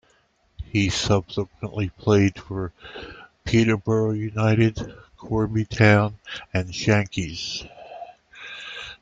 He subsequently played for Peterborough United, Corby Town and Sankey's.